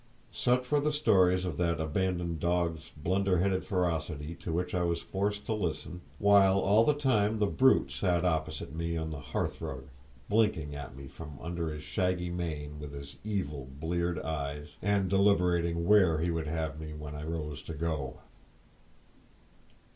Such were the stories of that abandoned dog's blunderheaded ferocity to which I was forced to listen, while all the time the brute sat opposite me on the hearth rug, blinking at me from under his shaggy mane with his evil, bleared eyes, and deliberating where he would have me when I rose to go.